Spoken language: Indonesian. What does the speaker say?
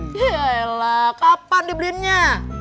ciela kapan dibeliinnya